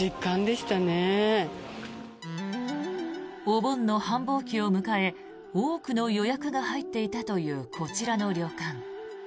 お盆の繁忙期を迎え多くの予約が入っていたというこちらの旅館。